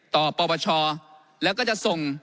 ปปชแล้วก็จะส่ง